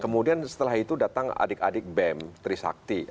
kemudian setelah itu datang adik adik bem trisakti